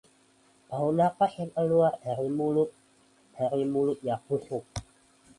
bau napas yang keluar dari mulutnya busuk